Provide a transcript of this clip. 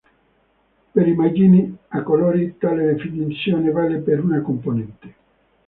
Per immagini a colori tale definizione vale per una componente.